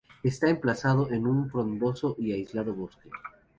Está emplazado en un frondoso y aislado bosque.